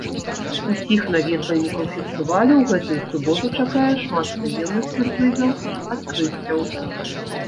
Усіх наведвальнікаў фестывалю ў гэтую суботу чакае шмат прыемных сюрпрызаў і адкрыццяў.